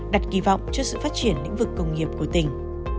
đặt kỳ vọng cho sự phát triển lĩnh vực công nghiệp của tỉnh